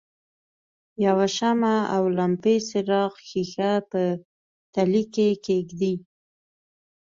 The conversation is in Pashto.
یوه شمع او لمپې څراغ ښيښه په تلې کې کیږدئ.